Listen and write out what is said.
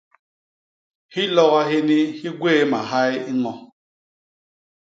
Hiloga hini hi gwéé mahay i ño.